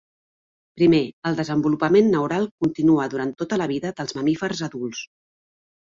Primer, el desenvolupament neural continua durant tota la vida dels mamífers adults.